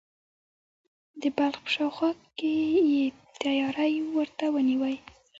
د بلخ په شاوخوا کې یې تیاری ورته ونیوی.